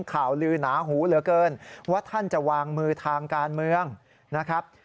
ข่าวลือหนาหูเหลือเกินว่าท่านจะวางมือทางการเมืองนะครับ